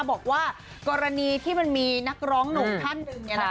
บอกว่ากรณีที่มันมีนักร้องหนุ่มท่านหนึ่ง